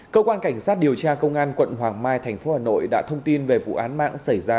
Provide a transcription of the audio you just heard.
cơ quan cảnh sát điều tra công an quận hoàng mai thành phố hà nội đã thông tin về vụ án mạng xảy ra